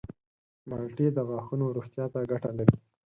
مالټې د غاښونو روغتیا ته ګټه لري.